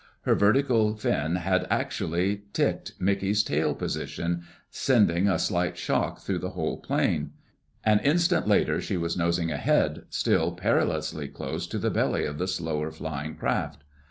Her vertical fin had actually ticked Mickey's tail position, sending a slight shock through the whole plane. An instant later she was nosing ahead, still perilously close to the belly of the slower flying craft.